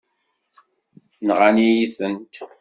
Nɣant-iyi-tent.